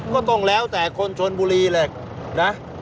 ก็แล้วแต่คนชนบุรีแหละนะ